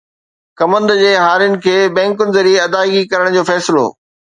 ڪمند جي هارين کي بئنڪن ذريعي ادائيگي ڪرڻ جو فيصلو